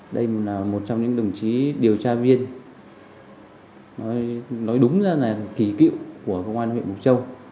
đây là một trong những đồng chí điều tra viên nói đúng ra là kỳ cựu của công an huyện mộc châu